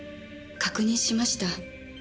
確認しました。